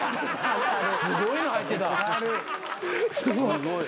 すごい。